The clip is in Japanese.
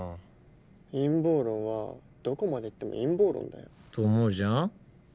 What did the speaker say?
陰謀論はどこまで行っても陰謀論だよ。と思うじゃん？